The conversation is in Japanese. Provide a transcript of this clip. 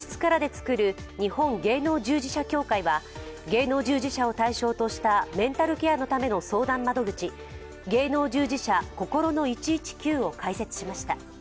俳優や演出からで作る日本芸能従事者協会は芸能従事者を対象としたメンタルケアのための相談窓口、芸能従事者こころの１１９を開設しました。